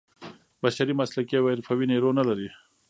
بشري مسلکي او حرفوي نیرو نه لري.